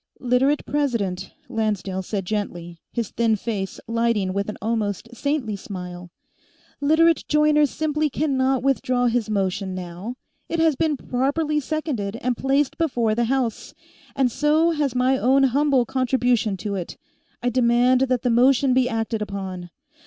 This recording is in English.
"Literate President," Lancedale said gently, his thin face lighting with an almost saintly smile, "Literate Joyner simply cannot withdraw his motion, now. It has been properly seconded and placed before the house, and so has my own humble contribution to it. I demand that the motion be acted upon."